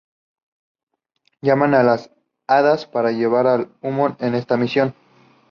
Llaman a las hadas para llevar a Huon en esta misión.